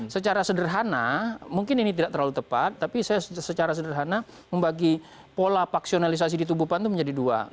secara sederhana mungkin ini tidak terlalu tepat tapi saya secara sederhana membagi pola paksionalisasi di tubuh pan itu menjadi dua